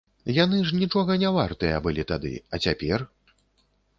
Яны ж нічога не вартыя былі тады, а цяпер?